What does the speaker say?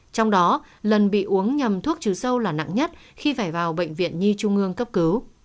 trong đó lần bị uống nhầm thuốc trừ sâu là nặng nhất khi phải vào bệnh viện nhi trung ương cấp cứu